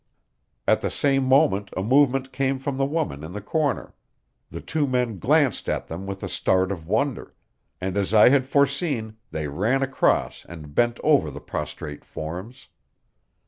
At the same moment a movement came from the woman in the corner; the two men glanced at them with a start of wonder; and as I had foreseen, they ran across and bent over the prostrate forms.